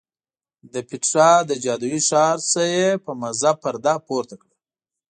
د پیترا له جادویي ښار نه یې په مزه پرده پورته کړه.